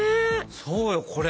そうよこれ。